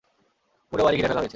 পুরো বাড়ি ঘিরে ফেলা হয়েছে।